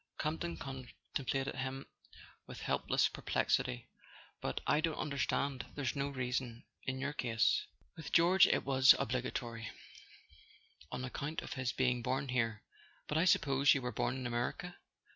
Campton contemplated him with helpless perplex¬ ity. "But I don't understand—there's no reason, in your case. With George it was obligatory—on ac¬ count of his being born here. But I suppose you were born in America